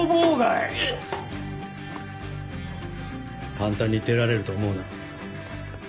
簡単に出られると思うな。